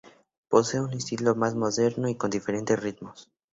Posee un estilo más moderno y con diferentes ritmos.